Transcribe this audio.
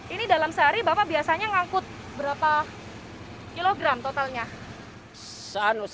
ini dalam sehari bapak biasanya ngangkut berapa kilogram totalnya